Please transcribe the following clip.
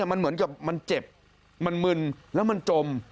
มันเหมือนกับมันเจ็บมันมึนแล้วมันจม